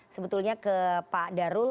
sebetulnya ke pak darul